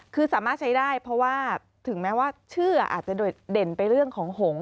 คือสามารถใช้ได้เพราะว่าถึงแม้ว่าชื่ออาจจะโดดเด่นไปเรื่องของหงษ